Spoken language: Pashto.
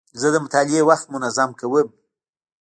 زه د مطالعې وخت منظم کوم.